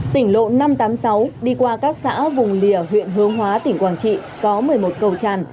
tỉnh lộ năm trăm tám mươi sáu đi qua các xã vùng lìa huyện hướng hóa tỉnh quảng trị có một mươi một cầu tràn